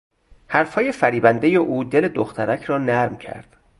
حرفهای فریبندهی او دل دخترک را نرم کرد.